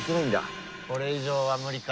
これ以上は無理か。